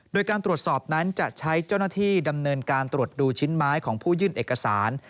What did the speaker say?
โดยการตรวจสอบนั้นจะใช้เจ้าหน้าที่ดำเนินการตรวจดูชิ้นไม้ของผู้ยื่นเอกสาร